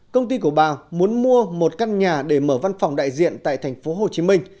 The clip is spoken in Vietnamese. công ty của bà muốn mua một căn nhà để mở văn phòng đại diện tại tp hcm